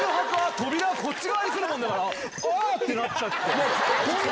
扉がこっちに来るもんだから、ああってなっちゃって。